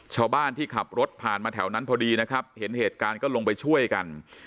ชาวบ้านที่ขับรถผ่านมาแถวนั้นพอดีนะครับเห็นเหตุการณ์ก็ลงไปช่วยกัน